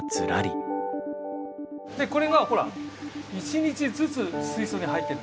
でこれがほら１日ずつ水槽に入ってる。